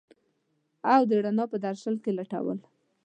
او د رڼا په درشل کي لټول